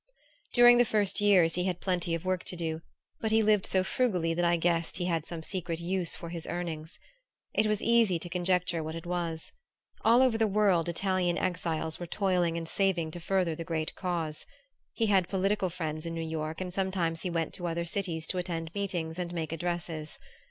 During the first years he had plenty of work to do, but he lived so frugally that I guessed he had some secret use for his earnings. It was easy to conjecture what it was. All over the world Italian exiles were toiling and saving to further the great cause. He had political friends in New York, and sometimes he went to other cities to attend meetings and make addresses.